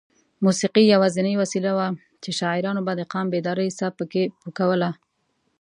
موسېقي یوازینۍ وسیله وه چې شاعرانو به د قام بیدارۍ ساه پکې پو کوله.